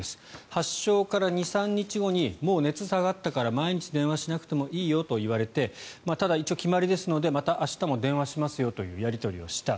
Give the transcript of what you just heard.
発症から２３日後にもう熱下がったから毎日電話しなくてもいいよと言われてただ、一応決まりですのでまた明日も電話しますよというやり取りをした。